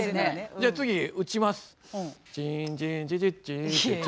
じゃあ次打ちます。